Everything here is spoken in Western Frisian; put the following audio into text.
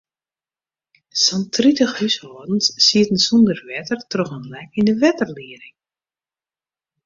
Sa'n tritich húshâldens sieten sûnder wetter troch in lek yn de wetterlieding.